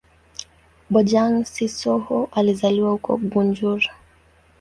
Bojang-Sissoho alizaliwa huko Gunjur.